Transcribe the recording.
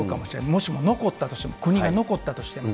もしも残ったとしても、国が残ったとしても。